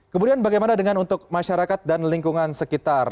kemudian bagaimana dengan untuk masyarakat dan lingkungan sekitar